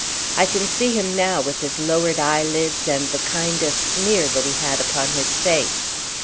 I can see him now, with his lowered eyelids and the kind of sneer that he had upon his face.